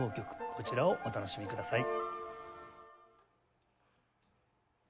こちらをお楽しみください。